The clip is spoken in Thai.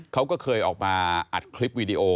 เขาก็เคยออกมาอัดคลิปวีดีโอ